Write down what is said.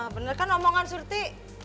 bener kan omongan surti